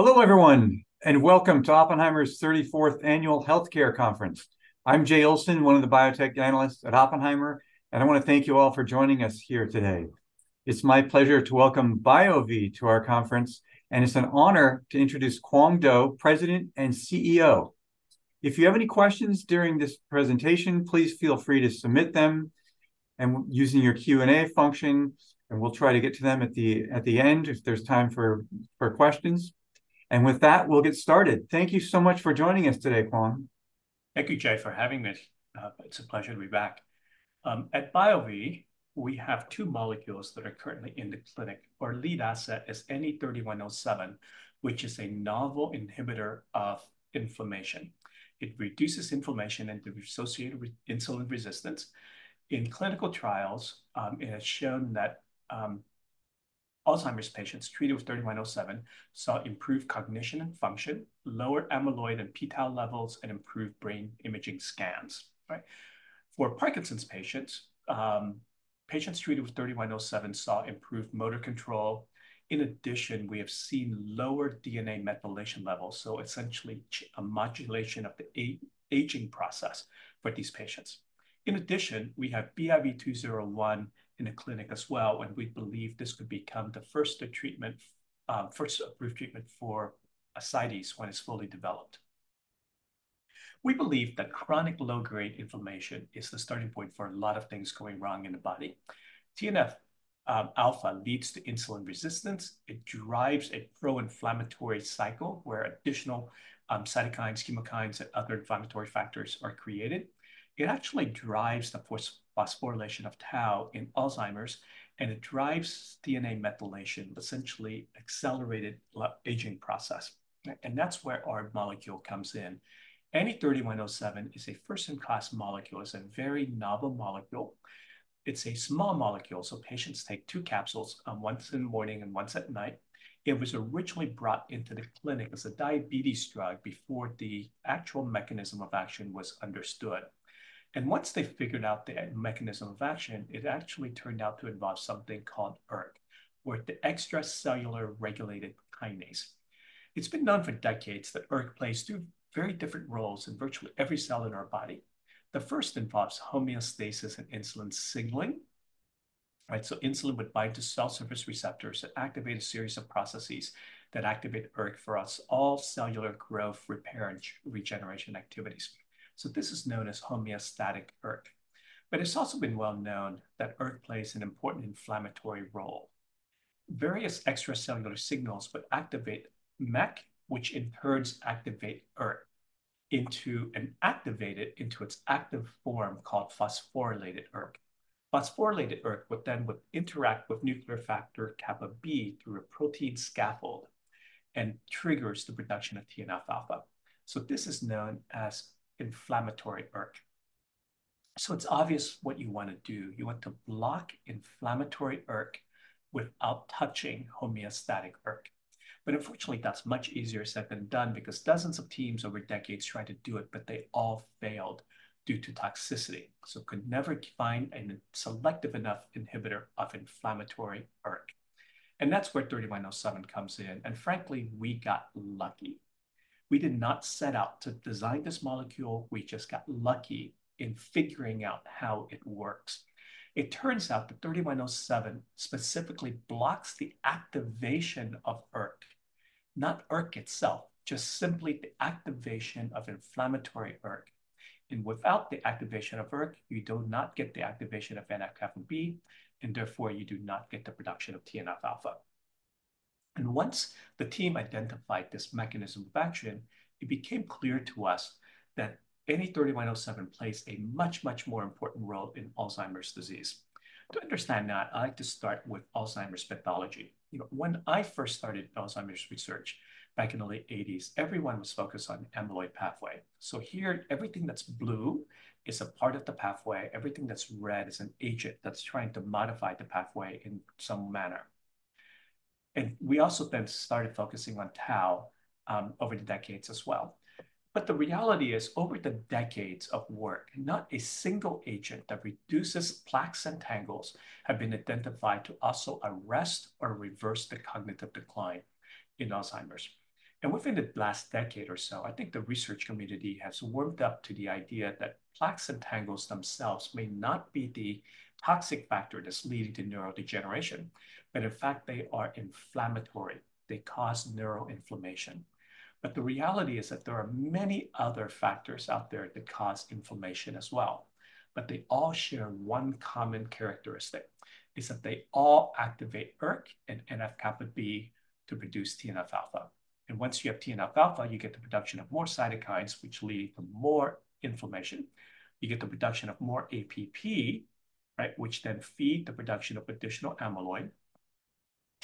Hello everyone, and welcome to Oppenheimer's 34th Annual Healthcare Conference. I'm Jay Olson, one of the biotech analysts at Oppenheimer, and I want to thank you all for joining us here today. It's my pleasure to welcome BioVie to our conference, and it's an honor to introduce Cuong Do, President and CEO. If you have any questions during this presentation, please feel free to submit them using your Q&A function, and we'll try to get to them at the end if there's time for questions. With that, we'll get started. Thank you so much for joining us today, Cuong. Thank you, Jay, for having me. It's a pleasure to be back. At BioVie, we have two molecules that are currently in the clinic, our lead asset is NE3107, which is a novel inhibitor of inflammation. It reduces inflammation and the associated insulin resistance. In clinical trials, it has shown that Alzheimer's patients treated with 3107 saw improved cognition and function, lower amyloid and p-tau levels, and improved brain imaging scans. For Parkinson's patients, patients treated with 3107 saw improved motor control. In addition, we have seen lower DNA methylation levels, so essentially a modulation of the aging process for these patients. In addition, we have BIV201 in the clinic as well, and we believe this could become the first approved treatment for ascites when it's fully developed. We believe that chronic low-grade inflammation is the starting point for a lot of things going wrong in the body. TNF-alpha leads to insulin resistance. It drives a pro-inflammatory cycle where additional cytokines, chemokines, and other inflammatory factors are created. It actually drives the phosphorylation of tau in Alzheimer's, and it drives DNA methylation, essentially accelerated aging process. And that's where our molecule comes in. NE3107 is a first-in-class molecule, is a very novel molecule. It's a small molecule, so patients take two capsules, once in the morning and once at night. It was originally brought into the clinic as a diabetes drug before the actual mechanism of action was understood. And once they figured out the mechanism of action, it actually turned out to involve something called ERK, or the extracellular signal-regulated kinase. It's been known for decades that ERK plays two very different roles in virtually every cell in our body. The first involves homeostasis and insulin signaling. So insulin would bind to cell surface receptors that activate a series of processes that activate ERK for usual cellular growth, repair, and regeneration activities. So this is known as homeostatic ERK. But it's also been well known that ERK plays an important inflammatory role. Various extracellular signals would activate MEK, which in turn activates ERK into its active form called phosphorylated ERK. Phosphorylated ERK would then interact with nuclear factor kappa B through a protein scaffold and trigger the production of TNF-alpha. So this is known as inflammatory ERK. So it's obvious what you want to do. You want to block inflammatory ERK without touching homeostatic ERK. But unfortunately, that's much easier said than done because dozens of teams over decades tried to do it, but they all failed due to toxicity. So could never find a selective enough inhibitor of inflammatory ERK. That's where 3107 comes in. Frankly, we got lucky. We did not set out to design this molecule. We just got lucky in figuring out how it works. It turns out that 3107 specifically blocks the activation of ERK. Not ERK itself, just simply the activation of inflammatory ERK. Without the activation of ERK, you do not get the activation of NF-kappa B, and therefore you do not get the production of TNF-alpha. Once the team identified this mechanism of action, it became clear to us that NE3107 plays a much, much more important role in Alzheimer's disease. To understand that, I like to start with Alzheimer's pathology. When I first started Alzheimer's research back in the late 1980s, everyone was focused on the amyloid pathway. Here, everything that's blue is a part of the pathway. Everything that's red is an agent that's trying to modify the pathway in some manner. And we also then started focusing on tau over the decades as well. But the reality is, over the decades of work, not a single agent that reduces plaques and tangles has been identified to also arrest or reverse the cognitive decline in Alzheimer's. And within the last decade or so, I think the research community has warmed up to the idea that plaques and tangles themselves may not be the toxic factor that's leading to neurodegeneration, but in fact, they are inflammatory. They cause neuroinflammation. But the reality is that there are many other factors out there that cause inflammation as well. But they all share one common characteristic. It's that they all activate ERK and NF-kappa B to produce TNF-alpha. Once you have TNF-alpha, you get the production of more cytokines, which lead to more inflammation. You get the production of more APP, which then feed the production of additional amyloid.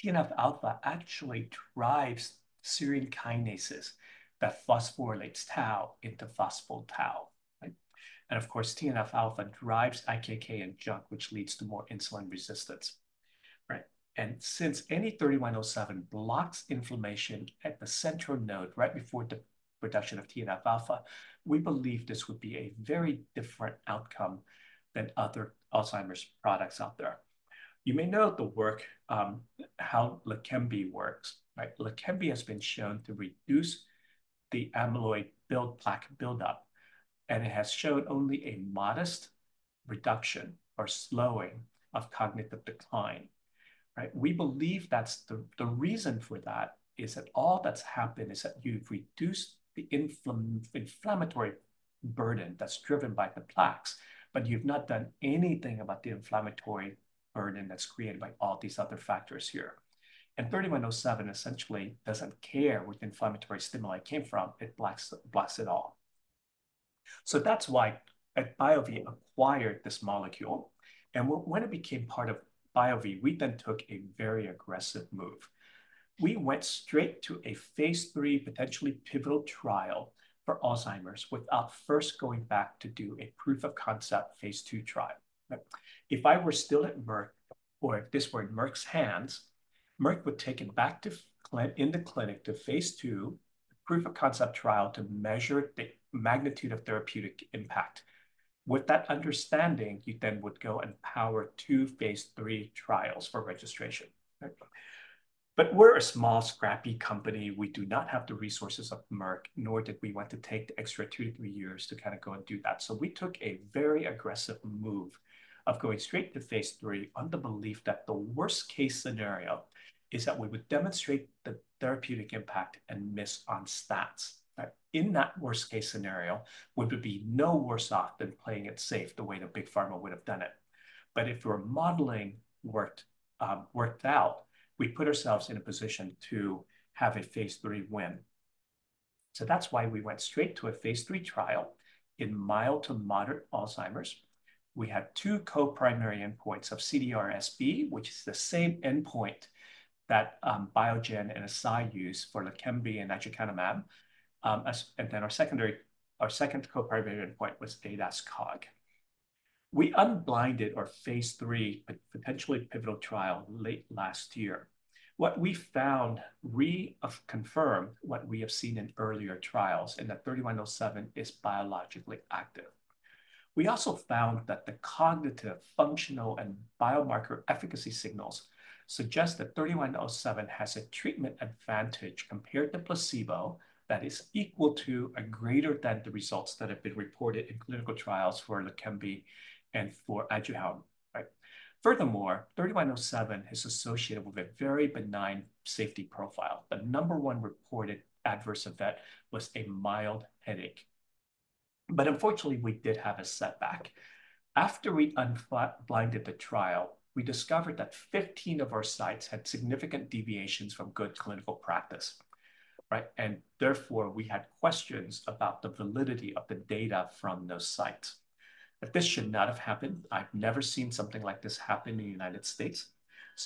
TNF-alpha actually drives serine kinases that phosphorylate tau into phospho-tau. Of course, TNF-alpha drives IKK and JNK, which leads to more insulin resistance. Since NE3107 blocks inflammation at the central node right before the production of TNF-alpha, we believe this would be a very different outcome than other Alzheimer's products out there. You may know the work, how Leqembi works. Leqembi has been shown to reduce the amyloid plaque buildup. It has shown only a modest reduction or slowing of cognitive decline. We believe that's the reason for that is that all that's happened is that you've reduced the inflammatory burden that's driven by the plaques, but you've not done anything about the inflammatory burden that's created by all these other factors here. And 3107 essentially doesn't care where the inflammatory stimuli came from. It blocks it all. So that's why at BioVie acquired this molecule. And when it became part of BioVie, we then took a very aggressive move. We went straight to a phase III, potentially pivotal trial for Alzheimer's without first going back to do a proof of concept phase II trial. If I were still at Merck, or if this were in Merck's hands, Merck would take it back in the clinic to phase II, proof of concept trial to measure the magnitude of therapeutic impact. With that understanding, you then would go and power two phase III trials for registration. But we're a small, scrappy company. We do not have the resources of Merck, nor did we want to take the extra 2-3 years to kind of go and do that. So we took a very aggressive move of going straight to phase III on the belief that the worst-case scenario is that we would demonstrate the therapeutic impact and miss on stats. In that worst-case scenario, we would be no worse off than playing it safe the way the big pharma would have done it. But if our modeling worked out, we put ourselves in a position to have a phase III win. So that's why we went straight to a phase III trial in mild to moderate Alzheimer's. We had two co-primary endpoints of CDR-SB, which is the same endpoint that Biogen and Eisai use for Leqembi and donanemab. Then our second co-primary endpoint was ADAS-Cog. We unblinded our phase III, potentially pivotal trial late last year. What we found re-confirmed what we have seen in earlier trials and that 3107 is biologically active. We also found that the cognitive, functional, and biomarker efficacy signals suggest that 3107 has a treatment advantage compared to placebo that is equal to or greater than the results that have been reported in clinical trials for Leqembi and for aducanumab. Furthermore, 3107 is associated with a very benign safety profile. The number one reported adverse event was a mild headache. Unfortunately, we did have a setback. After we unblinded the trial, we discovered that 15 of our sites had significant deviations from Good Clinical Practice. Therefore, we had questions about the validity of the data from those sites. This should not have happened. I've never seen something like this happen in the United States.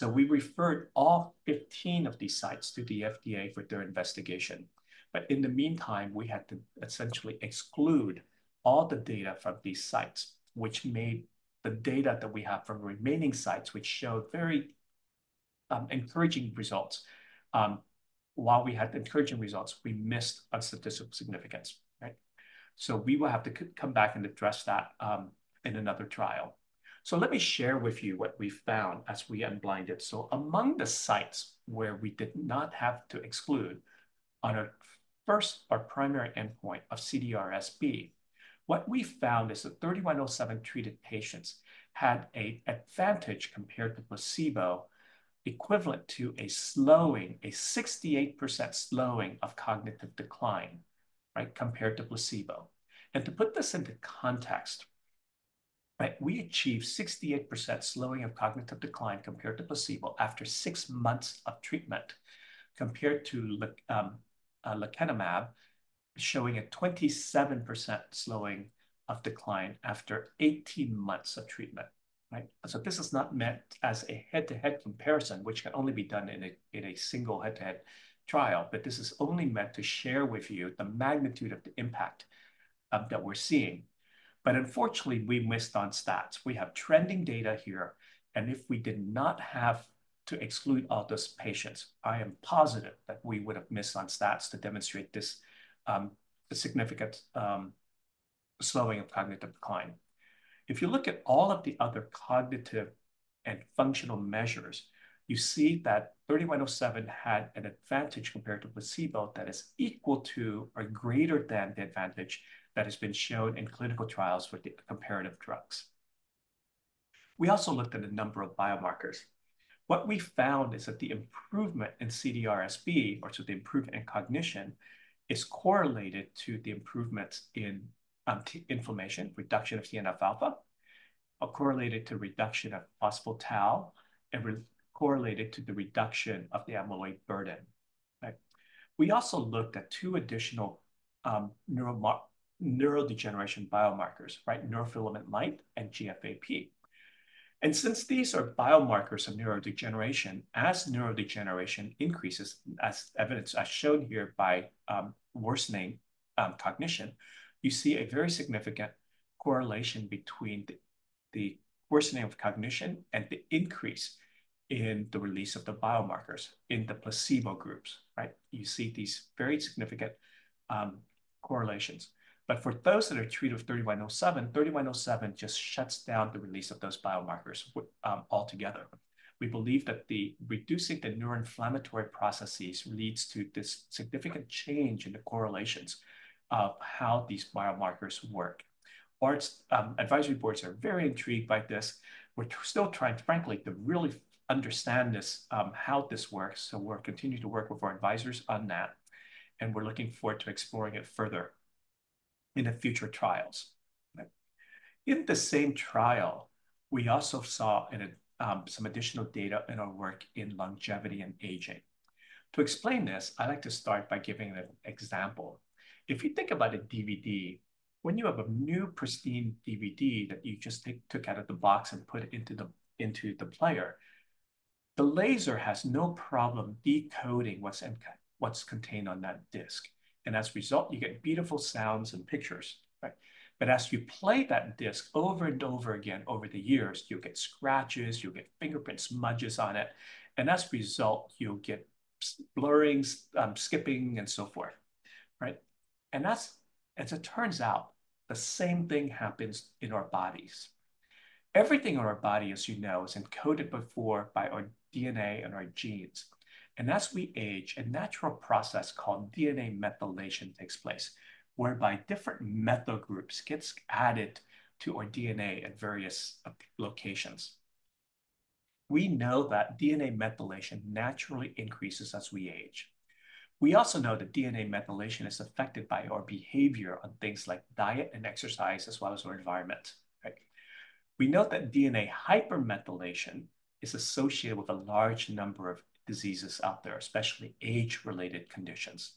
We referred all 15 of these sites to the FDA for their investigation. In the meantime, we had to essentially exclude all the data from these sites, which made the data that we have from remaining sites, which showed very encouraging results. While we had encouraging results, we missed of statistical significance. We will have to come back and address that in another trial. Let me share with you what we found as we unblinded. So among the sites where we did not have to exclude on our primary endpoint of CDR-SB, what we found is that 3107 treated patients had an advantage compared to placebo equivalent to a 68% slowing of cognitive decline compared to placebo. And to put this into context, we achieved 68% slowing of cognitive decline compared to placebo after 6 months of treatment compared to lecanemab, showing a 27% slowing of decline after 18 months of treatment. So this is not meant as a head-to-head comparison, which can only be done in a single head-to-head trial, but this is only meant to share with you the magnitude of the impact that we're seeing. But unfortunately, we missed on stats. We have trending data here. If we did not have to exclude all those patients, I am positive that we would have missed on stats to demonstrate this significant slowing of cognitive decline. If you look at all of the other cognitive and functional measures, you see that 3107 had an advantage compared to placebo that is equal to or greater than the advantage that has been shown in clinical trials for the comparative drugs. We also looked at a number of biomarkers. What we found is that the improvement in CDR-SB, or so the improvement in cognition, is correlated to the improvements in inflammation, reduction of TNF-alpha, correlated to reduction of phospho-tau, and correlated to the reduction of the amyloid burden. We also looked at two additional neurodegeneration biomarkers, neurofilament light and GFAP. Since these are biomarkers of neurodegeneration, as neurodegeneration increases, as evidenced as shown here by worsening cognition, you see a very significant correlation between the worsening of cognition and the increase in the release of the biomarkers in the placebo groups. You see these very significant correlations. But for those that are treated with 3107, 3107 just shuts down the release of those biomarkers altogether. We believe that reducing the neuroinflammatory processes leads to this significant change in the correlations of how these biomarkers work. Our advisory boards are very intrigued by this. We're still trying, frankly, to really understand how this works. So we're continuing to work with our advisors on that. And we're looking forward to exploring it further in the future trials. In the same trial, we also saw some additional data in our work in longevity and aging. To explain this, I like to start by giving an example. If you think about a DVD, when you have a new, pristine DVD that you just took out of the box and put it into the player, the laser has no problem decoding what's contained on that disc. As a result, you get beautiful sounds and pictures. But as you play that disc over and over again over the years, you'll get scratches, you'll get fingerprint smudges on it. As a result, you'll get blurrings, skipping, and so forth. As it turns out, the same thing happens in our bodies. Everything in our body, as you know, is encoded before by our DNA and our genes. As we age, a natural process called DNA methylation takes place, whereby different methyl groups get added to our DNA at various locations. We know that DNA methylation naturally increases as we age. We also know that DNA methylation is affected by our behavior on things like diet and exercise as well as our environment. We know that DNA hypermethylation is associated with a large number of diseases out there, especially age-related conditions.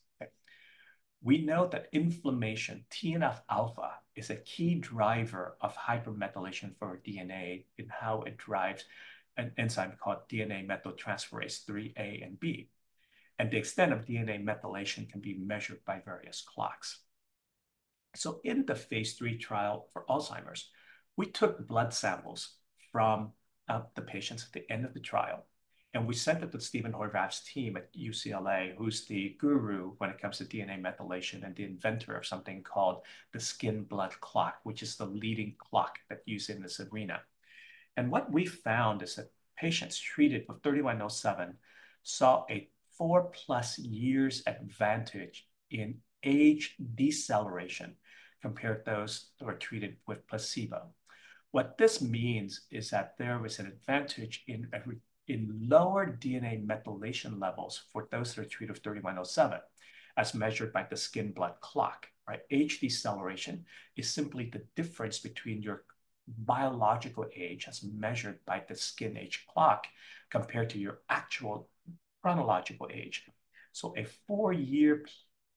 We know that inflammation, TNF-alpha, is a key driver of hypermethylation for DNA in how it drives an enzyme called DNA methyltransferase 3A and B. The extent of DNA methylation can be measured by various clocks. In the phase III trial for Alzheimer's, we took blood samples from the patients at the end of the trial, and we sent it to Steve Horvath's team at UCLA, who's the guru when it comes to DNA methylation and the inventor of something called the Skin & Blood Clock, which is the leading clock that's used in this arena. What we found is that patients treated with NE3107 saw a 4+ years advantage in age deceleration compared to those who are treated with placebo. What this means is that there was an advantage in lower DNA methylation levels for those that are treated with NE3107, as measured by the Skin & Blood Clock. Age deceleration is simply the difference between your biological age as measured by the Skin & Blood Clock compared to your actual chronological age. So a 4-year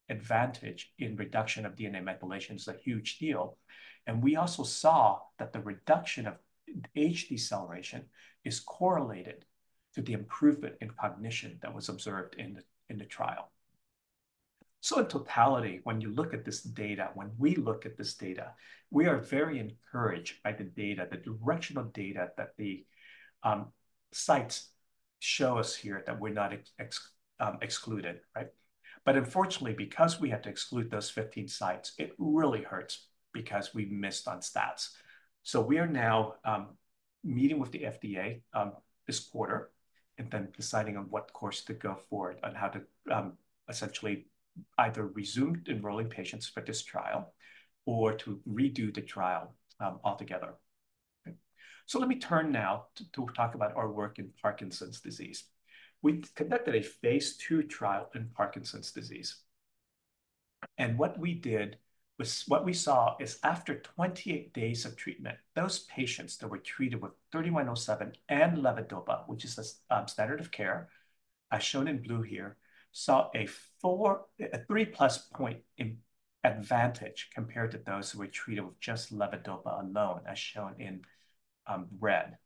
advantage in reduction of DNA methylation is a huge deal. And we also saw that the reduction of age deceleration is correlated to the improvement in cognition that was observed in the trial. So in totality, when you look at this data, when we look at this data, we are very encouraged by the data, the directional data that the sites show us here that we're not excluded. Unfortunately, because we had to exclude those 15 sites, it really hurts because we missed on stats. We are now meeting with the FDA this quarter and then deciding on what course to go forward on how to essentially either resume enrolling patients for this trial or to redo the trial altogether. Let me turn now to talk about our work in Parkinson's disease. We conducted a phase II trial in Parkinson's disease. What we did was what we saw is after 28 days of treatment, those patients that were treated with 3107 and levodopa, which is a standard of care as shown in blue here, saw a 3+ point advantage compared to those who were treated with just levodopa alone as shown in red.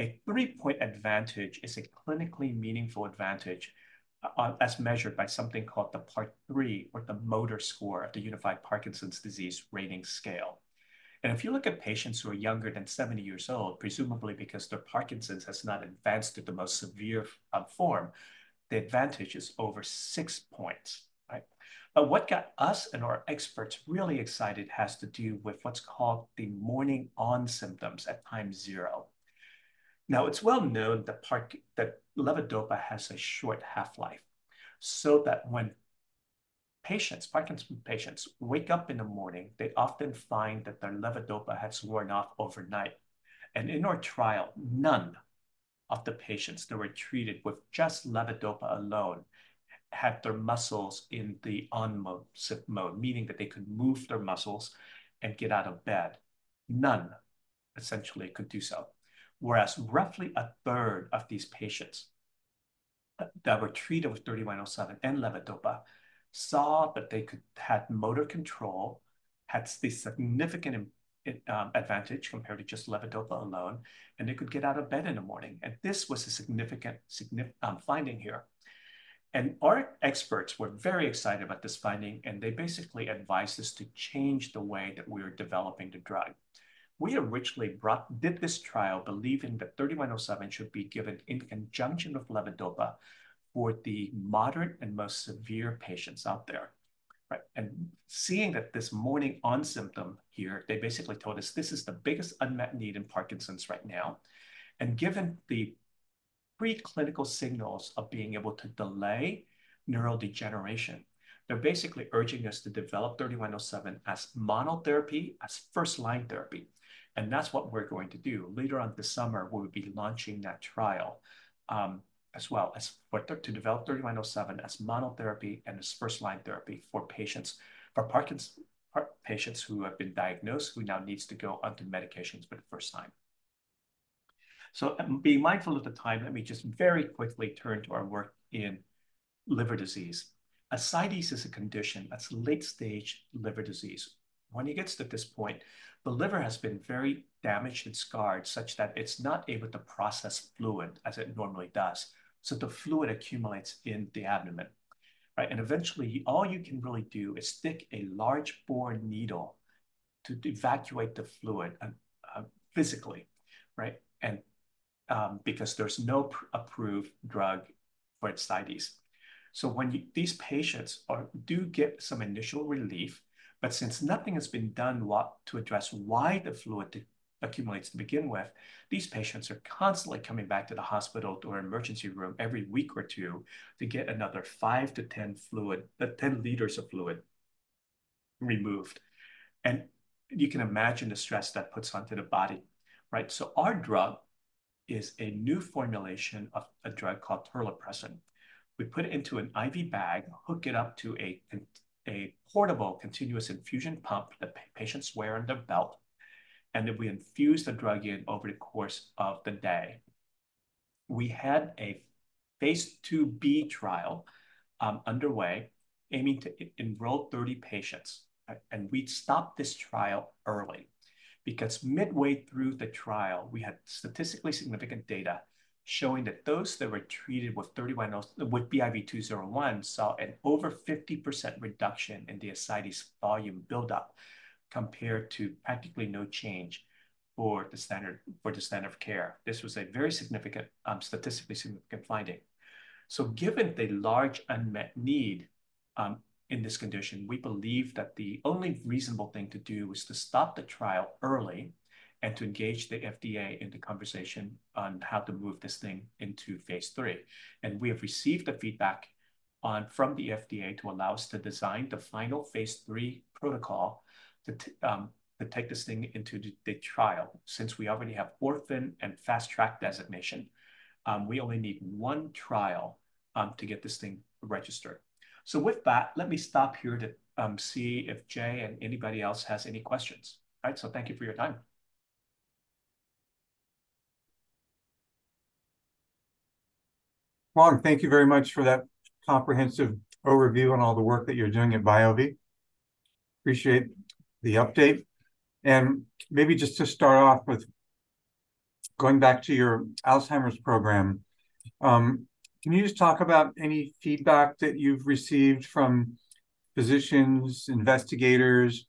A 3-point advantage is a clinically meaningful advantage as measured by something called the Part III or the motor score of the Unified Parkinson's Disease Rating Scale. If you look at patients who are younger than 70 years old, presumably because their Parkinson's has not advanced to the most severe form, the advantage is over 6 points. But what got us and our experts really excited has to do with what's called the morning-on symptoms at time zero. Now, it's well known that levodopa has a short half-life. So that when Parkinson's patients wake up in the morning, they often find that their levodopa has worn off overnight. And in our trial, none of the patients that were treated with just levodopa alone had their muscles in the on-mode, meaning that they could move their muscles and get out of bed. None essentially could do so. Whereas roughly a third of these patients that were treated with 3107 and levodopa saw that they had motor control, had the significant advantage compared to just levodopa alone, and they could get out of bed in the morning. This was a significant finding here. Our experts were very excited about this finding, and they basically advised us to change the way that we were developing the drug. We originally did this trial believing that 3107 should be given in conjunction with levodopa for the moderate and most severe patients out there. Seeing that this morning-on symptom here, they basically told us this is the biggest unmet need in Parkinson's right now. Given the preclinical signals of being able to delay neurodegeneration, they're basically urging us to develop 3107 as monotherapy, as first-line therapy. That's what we're going to do. Later on this summer, we'll be launching that trial as well as to develop 3107 as monotherapy and as first-line therapy for patients who have been diagnosed, who now need to go on to medications for the first time. So being mindful of the time, let me just very quickly turn to our work in liver disease. Ascites is a condition that's late-stage liver disease. When it gets to this point, the liver has been very damaged and scarred such that it's not able to process fluid as it normally does. So the fluid accumulates in the abdomen. And eventually, all you can really do is stick a large bore needle to evacuate the fluid physically. And because there's no approved drug for ascites. So when these patients do get some initial relief, but since nothing has been done to address why the fluid accumulates to begin with, these patients are constantly coming back to the hospital or emergency room every week or 2 to get another 5-10 liters of fluid removed. And you can imagine the stress that puts onto the body. So our drug is a new formulation of a drug called terlipressin. We put it into an IV bag, hook it up to a portable continuous infusion pump that patients wear on their belt. And then we infuse the drug in over the course of the day. We had a phase II-B trial underway aiming to enroll 30 patients. And we stopped this trial early. Because midway through the trial, we had statistically significant data showing that those that were treated with BIV201 saw an over 50% reduction in the ascites volume buildup compared to practically no change for the standard of care. This was a very statistically significant finding. So given the large unmet need in this condition, we believe that the only reasonable thing to do was to stop the trial early and to engage the FDA in the conversation on how to move this thing into phase III. And we have received the feedback from the FDA to allow us to design the final phase III protocol to take this thing into the trial. Since we already have orphan and fast-track designation, we only need one trial to get this thing registered. So with that, let me stop here to see if Jay and anybody else has any questions. Thank you for your time. Mark, thank you very much for that comprehensive overview and all the work that you're doing at BioVie. Appreciate the update. Maybe just to start off with going back to your Alzheimer's program, can you just talk about any feedback that you've received from physicians, investigators,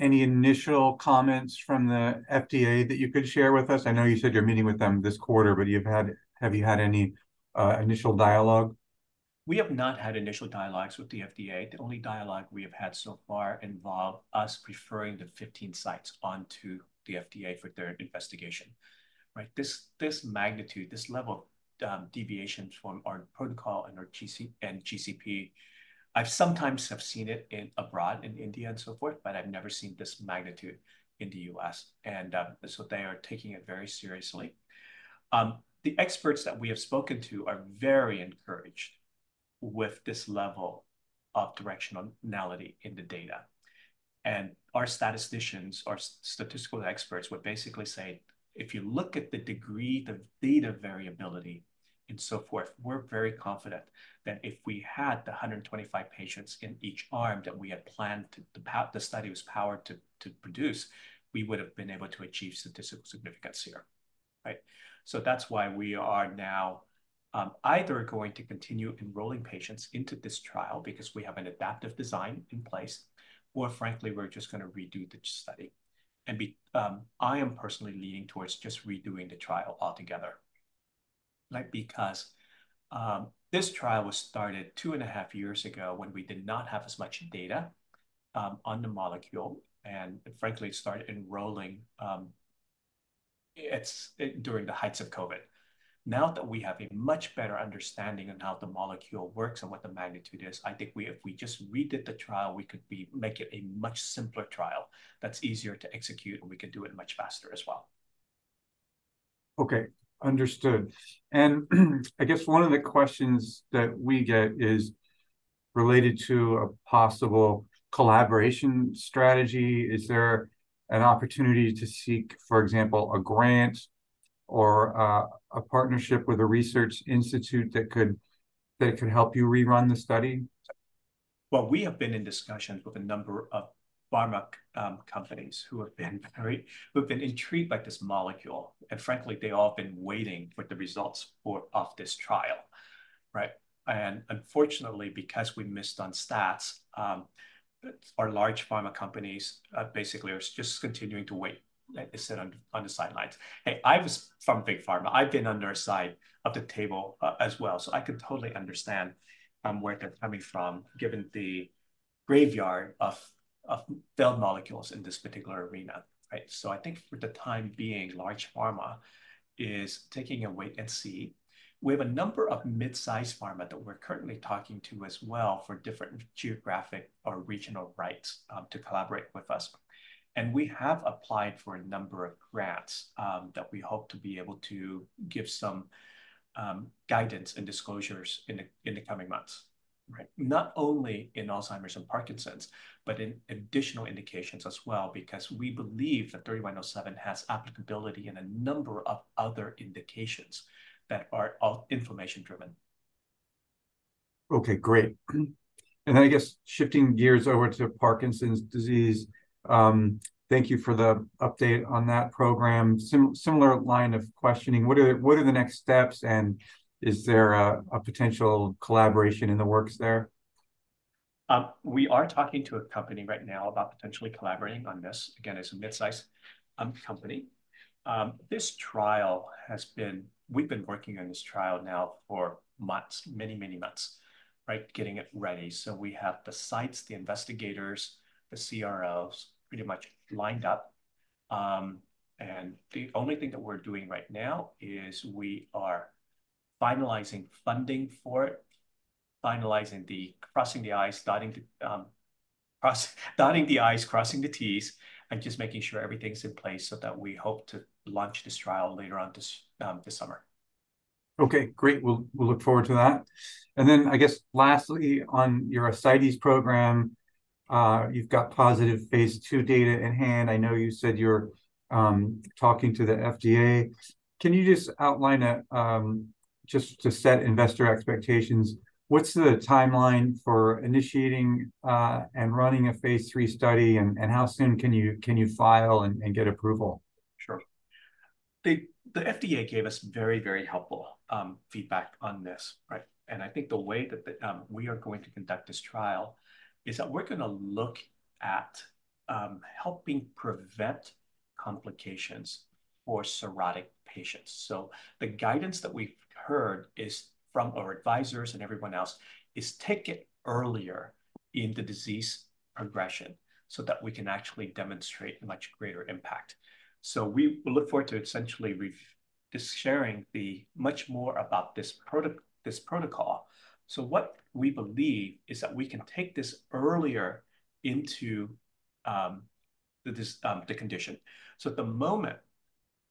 any initial comments from the FDA that you could share with us? I know you said you're meeting with them this quarter, but have you had any initial dialogue? We have not had initial dialogues with the FDA. The only dialogue we have had so far involved us referring the 15 sites onto the FDA for their investigation. This magnitude, this level of deviations from our protocol and our GCP, I sometimes have seen it abroad in India and so forth, but I've never seen this magnitude in the U.S. So they are taking it very seriously. The experts that we have spoken to are very encouraged with this level of directionality in the data. Our statisticians, our statistical experts would basically say, if you look at the degree of data variability and so forth, we're very confident that if we had the 125 patients in each arm that we had planned the study was powered to produce, we would have been able to achieve statistical significance here. So that's why we are now either going to continue enrolling patients into this trial because we have an adaptive design in place, or frankly, we're just going to redo the study. And I am personally leaning towards just redoing the trial altogether. Because this trial was started two and a half years ago when we did not have as much data on the molecule and frankly, it started enrolling during the heights of COVID. Now that we have a much better understanding of how the molecule works and what the magnitude is, I think if we just redid the trial, we could make it a much simpler trial that's easier to execute, and we could do it much faster as well. Okay, understood. I guess one of the questions that we get is related to a possible collaboration strategy. Is there an opportunity to seek, for example, a grant or a partnership with a research institute that could help you rerun the study? Well, we have been in discussions with a number of pharma companies who have been intrigued by this molecule. Frankly, they all have been waiting for the results of this trial. Unfortunately, because we missed on stats, our large pharma companies basically are just continuing to wait, as I said, on the sidelines. Hey, I was from Big Pharma. I've been on their side of the table as well. I can totally understand where they're coming from, given the graveyard of failed molecules in this particular arena. I think for the time being, large pharma is taking a wait and see. We have a number of midsize pharma that we're currently talking to as well for different geographic or regional rights to collaborate with us. We have applied for a number of grants that we hope to be able to give some guidance and disclosures in the coming months. Not only in Alzheimer's and Parkinson's, but in additional indications as well because we believe that 3107 has applicability in a number of other indications that are all information-driven. Okay, great. And then I guess shifting gears over to Parkinson's disease, thank you for the update on that program. Similar line of questioning, what are the next steps and is there a potential collaboration in the works there? We are talking to a company right now about potentially collaborating on this. Again, it's a midsize company. This trial, we've been working on this trial now for months, many, many months, getting it ready. So we have the sites, the investigators, the CROs pretty much lined up. And the only thing that we're doing right now is we are finalizing funding for it, finalizing, crossing the i's, dotting the i's, crossing the t's, and just making sure everything's in place so that we hope to launch this trial later on this summer. Okay, great. We'll look forward to that. And then I guess lastly, on your ascites program, you've got positive phase II data in hand. I know you said you're talking to the FDA. Can you just outline just to set investor expectations, what's the timeline for initiating and running a phase III study and how soon can you file and get approval? Sure. The FDA gave us very, very helpful feedback on this. I think the way that we are going to conduct this trial is that we're going to look at helping prevent complications for cirrhotic patients. The guidance that we've heard from our advisors and everyone else is take it earlier in the disease progression so that we can actually demonstrate a much greater impact. We look forward to essentially sharing much more about this protocol. What we believe is that we can take this earlier into the condition. At the moment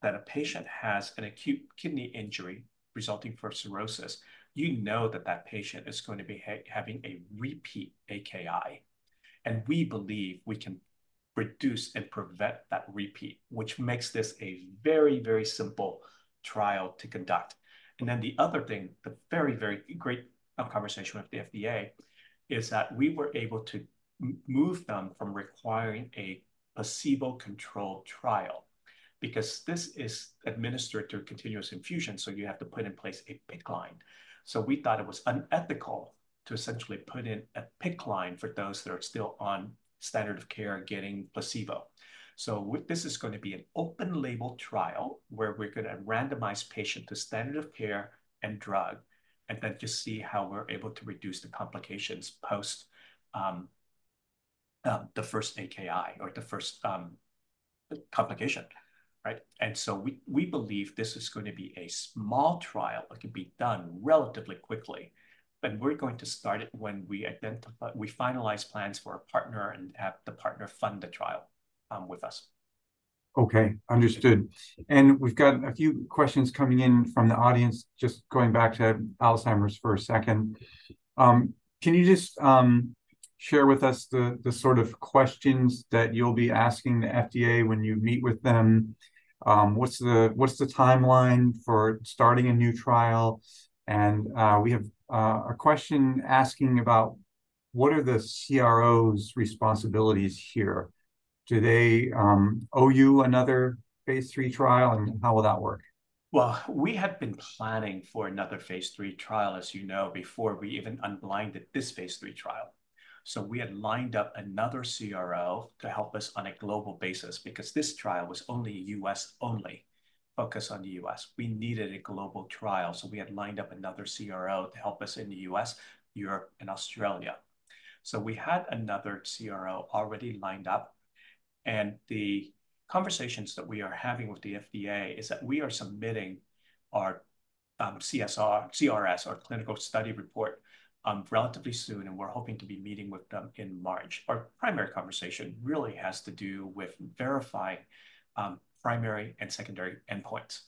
that a patient has an acute kidney injury resulting from cirrhosis, you know that that patient is going to be having a repeat AKI. We believe we can reduce and prevent that repeat, which makes this a very, very simple trial to conduct. And then the other thing, the very, very great conversation with the FDA is that we were able to move them from requiring a placebo-controlled trial because this is administered through continuous infusion, so you have to put in place a PICC line. So we thought it was unethical to essentially put in a PICC line for those that are still on standard of care getting placebo. So this is going to be an open-label trial where we're going to randomize patient to standard of care and drug and then just see how we're able to reduce the complications post the first AKI or the first complication. And so we believe this is going to be a small trial. It could be done relatively quickly. And we're going to start it when we finalize plans for our partner and have the partner fund the trial with us. Okay, understood. And we've got a few questions coming in from the audience. Just going back to Alzheimer's for a second. Can you just share with us the sort of questions that you'll be asking the FDA when you meet with them? What's the timeline for starting a new trial? And we have a question asking about what are the CRO's responsibilities here? Do they owe you another phase III trial and how will that work? Well, we had been planning for another phase III trial, as you know, before we even unblinded this phase III trial. So we had lined up another CRO to help us on a global basis because this trial was only U.S.-only, focused on the U.S. We needed a global trial. So we had lined up another CRO to help us in the U.S., Europe, and Australia. So we had another CRO already lined up. And the conversations that we are having with the FDA is that we are submitting our CSR, CRS, our clinical study report relatively soon, and we're hoping to be meeting with them in March. Our primary conversation really has to do with verifying primary and secondary endpoints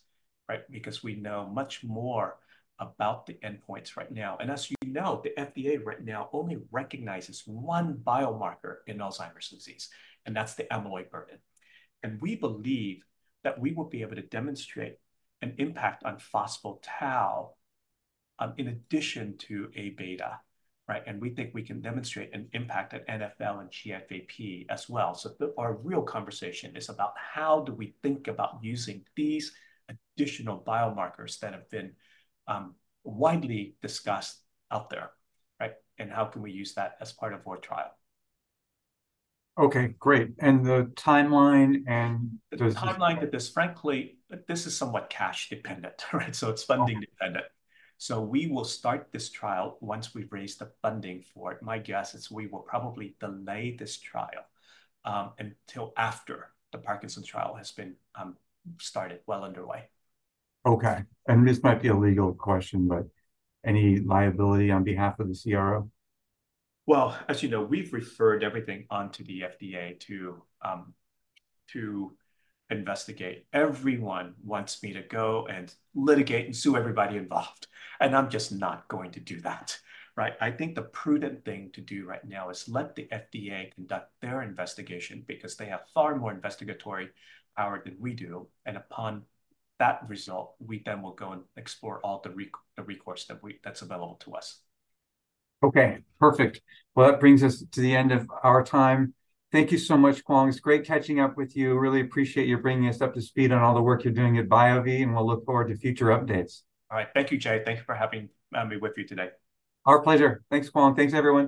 because we know much more about the endpoints right now. And as you know, the FDA right now only recognizes one biomarker in Alzheimer's disease. That's the amyloid burden. We believe that we will be able to demonstrate an impact on phospho-tau in addition to amyloid beta. We think we can demonstrate an impact at NfL and GFAP as well. Our real conversation is about how do we think about using these additional biomarkers that have been widely discussed out there? And how can we use that as part of our trial? Okay, great. And the timeline and the. Timeline, that this frankly, this is somewhat cash-dependent. So it's funding-dependent. So we will start this trial once we've raised the funding for it. My guess is we will probably delay this trial until after the Parkinson's trial has been started, well underway. Okay. This might be a legal question, but any liability on behalf of the CRO? Well, as you know, we've referred everything onto the FDA to investigate. Everyone wants me to go and litigate and sue everybody involved. I'm just not going to do that. I think the prudent thing to do right now is let the FDA conduct their investigation because they have far more investigatory power than we do. Upon that result, we then will go and explore all the recourse that's available to us. Okay, perfect. Well, that brings us to the end of our time. Thank you so much, Cuong. It's great catching up with you. Really appreciate your bringing us up to speed on all the work you're doing at BioVie, and we'll look forward to future updates. All right. Thank you, Jay. Thank you for having me with you today. Our pleasure. Thanks, Cuong. Thanks, everyone.